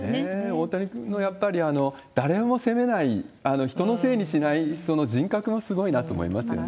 大谷君もやっぱり誰も責めない、人のせいにしないその人格もすごいなと思いますね。